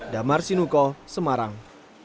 damar sinuko semarang